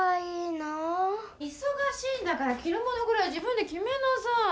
いそがしいんだからきるものぐらい自分できめなさい。